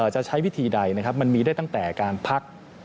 จะใช้วิธีใดนะครับมันมีได้ตั้งแต่การพัก